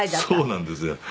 そうなんですよ。